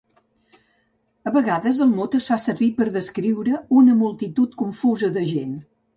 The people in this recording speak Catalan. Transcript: A vegades el mot es va servir per descriure una multitud confusa de gent.